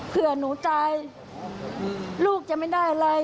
เพื่อหนูตายลูกจะไม่ได้อะไร